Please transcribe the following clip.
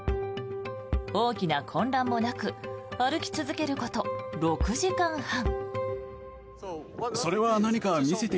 大きな混乱もなく歩き続けること６時間半。